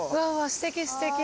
すてきすてき。